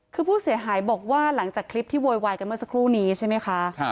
คือผู้เสียหายบอกว่าหลังจากคลิปที่โวยวายกันเมื่อสักครู่นี้ใช่ไหมคะ